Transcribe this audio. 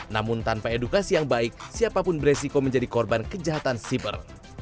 namun tanpa edukasi yang baik siapapun beresiko menjadi korban kejahatan siber